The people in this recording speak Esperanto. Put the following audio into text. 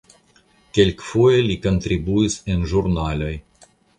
Kelkfoje li kontribuis en ĵurnaloj.